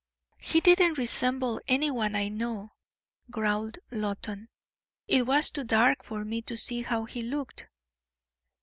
"He didn't resemble anyone I know," growled Loton. "It was too dark for me to see how he looked."